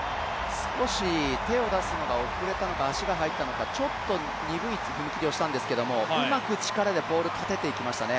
少し手を出すのが遅れたのか、足が入ったのかちょっと鈍い踏み切りをしたんですけどうまく力でポール立てていきましたね。